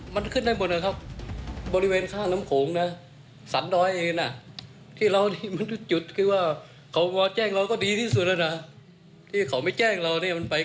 เวลาเราสืบได้ปุ๊บเราก็ยึดเรือมา